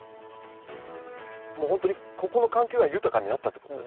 本当にここの環境が豊かになったってことですね。